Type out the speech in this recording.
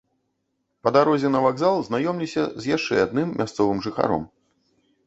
Па дарозе на вакзал знаёмлюся з яшчэ адным мясцовым жыхаром.